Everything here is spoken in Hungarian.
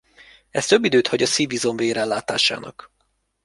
Ez több időt hagy a szívizom vérellátásának.